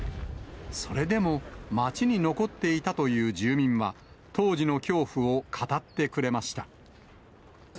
それでも、街に残っていたという住民は、当時の恐怖を語ってくれました。